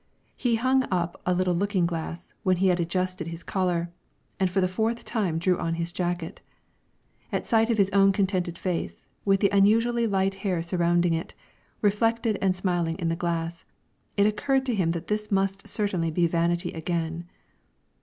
He hung up a little looking glass when he had adjusted his collar, and for the fourth time drew on his jacket. At sight of his own contented face, with the unusually light hair surrounding it, reflected and smiling in the glass, it occurred to him that this must certainly be vanity again.